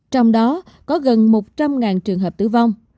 trong đó có gần một trăm linh trường hợp tử vong